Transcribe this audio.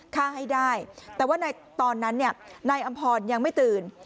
ฆ่าให้ได้แต่ว่าในตอนนั้นนายอำพรยังไม่ตื่น